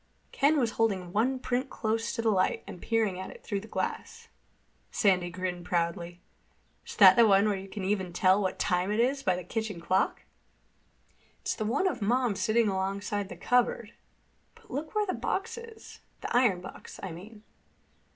Ken was holding one print close to the light and peering at it through the glass. Sandy grinned proudly. "Is that the one where you can even tell what time it is by the kitchen clock?" "It's the one of Mom sitting alongside the cupboard. But look where the box is—the iron box, I mean."